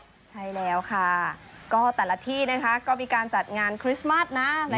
ใช่แล้วค่ะก็แต่ละที่นะคะก็มีการจัดงานคริสต์มัสนะ